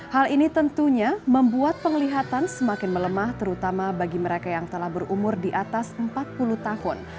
hal ini tentunya membuat penglihatan semakin melemah terutama bagi mereka yang telah berumur di atas empat puluh tahun